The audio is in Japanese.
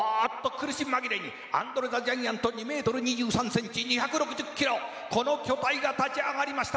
苦し紛れにアンドレ・ザ・ジャイアント２ｍ２３ｃｍ、２６０ｋｇこの巨体が立ち上がりました！